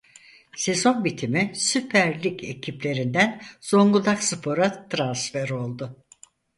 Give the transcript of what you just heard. Sezon bitimi Süper Lig ekiplerinden Zonguldakspor'a transfer oldu.